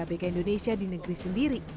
abk indonesia di negeri sendiri